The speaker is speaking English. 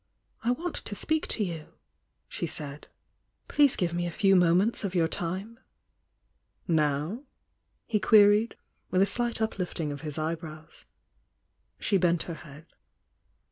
"I want to speak to you," she said. "Please give me a few moments of your time." "Now?" he queried, with a slight uplifting of his eyebrows. She bent her head.